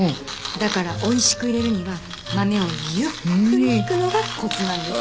だから美味しく入れるには豆をゆっくりひくのがコツなんです。